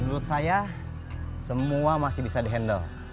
menurut saya semua masih bisa dihandle